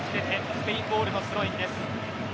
スペインボールのスローインです。